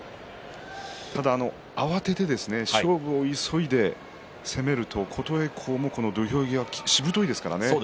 ただ慌てて、勝負を急いで攻めると琴恵光も土俵際しぶといですからね。